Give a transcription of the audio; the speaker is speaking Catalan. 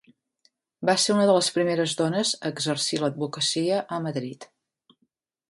Va ser una de les primeres dones a exercir l'advocacia a Madrid.